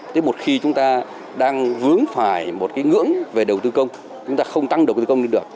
thế một khi chúng ta đang vướng phải một cái ngưỡng về đầu tư công chúng ta không tăng đầu tư công lên được